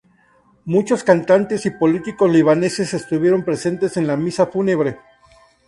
Muchos cantantes y políticos libaneses estuvieron presentes en la misa fúnebre.